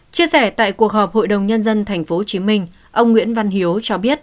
chia sẻ tại cuộc họp hội đồng nhân dân tp hcm ông nguyễn văn hiếu cho biết